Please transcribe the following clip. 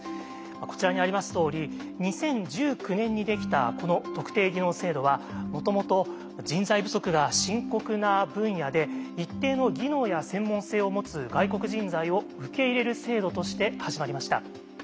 こちらにありますとおり２０１９年にできたこの特定技能制度はもともと人材不足が深刻な分野で一定の技能や専門性を持つ外国人材を受け入れる制度として始まりました。